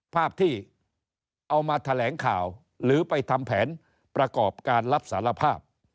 ภาพที่เอามาแถลงข่าวหรือไปทำแผนประกอบการรับสารภาพ